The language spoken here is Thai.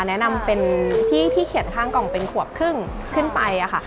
แนะนำเป็นที่ที่เขียนข้างกล่องเป็นขวบครึ่งขึ้นไปค่ะ